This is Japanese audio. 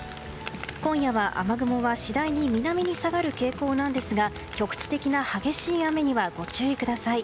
今夜は雨雲は次第に南に下がる傾向ですが局地的な激しい雨にはご注意ください。